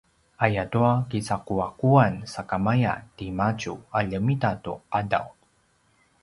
ayatua kicaquaquan sakamaya timadju a ljemita tu qadaw